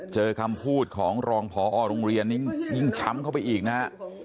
คำพูดของรองพอโรงเรียนนี้ยิ่งช้ำเข้าไปอีกนะฮะ